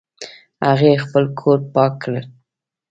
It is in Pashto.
هغې خپل کور پاک کړ